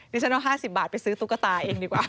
ฉันเอา๕๐บาทไปซื้อตุ๊กตาเองดีกว่า